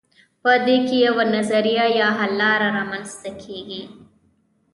په دې کې یوه نظریه یا حل لاره رامیینځته کیږي.